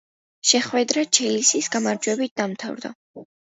შეხვედრა „ჩელსის“ გამარჯვებით დამთავრდა.